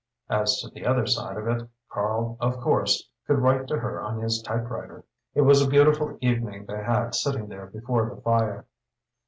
As to the other side of it, Karl of course could write to her on his typewriter. It was a beautiful evening they had sitting there before the fire.